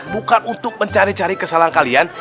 bukan untuk mencari cari kesalahan kalian